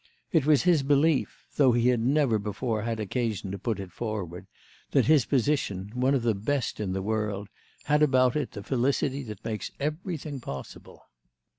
It was his belief—though he had never before had occasion to put it forward—that his position, one of the best in the world, had about it the felicity that makes everything possible.